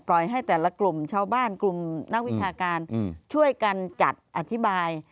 ให้แต่ละกลุ่มชาวบ้านกลุ่มนักวิชาการช่วยกันจัดอธิบาย